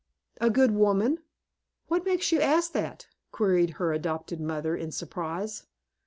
"A good woman! What makes you ask that?" queried her adopted mother, in surprise.